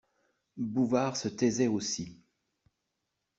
Bouvard se taisait aussi.